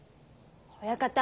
親方